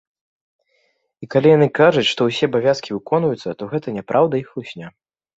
І калі яны кажуць, што ўсе абавязкі выконваюцца, то гэта няпраўда і хлусня.